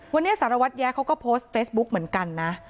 วันนี้สารวัตรแย้เขาก็โพสต์เฟซบุ๊กเหมือนกันนะ